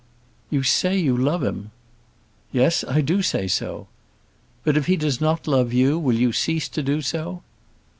"You say you love him." "Yes; I do say so." "But if he does not love you, will you cease to do so?"